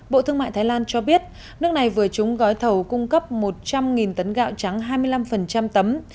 bộ thương mại thái lan cho biết nước này vừa trúng gói thầu cung cấp một trăm linh tấn gạo trắng hai mươi năm tấm